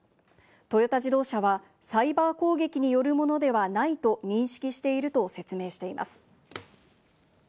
トヨタ自動車はサイバー攻撃によるものではないと認識していると説明しています。